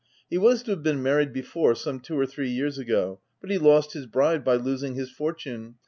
He was to have been married before, some two or three years ago ; but he lost his bride by losing his fortune.